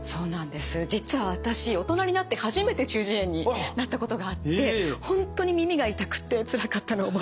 実は私大人になって初めて中耳炎になったことがあって本当に耳が痛くてつらかったのを覚えています。